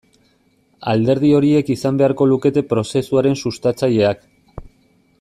Alderdi horiek izan beharko lukete prozesuaren sustatzaileak.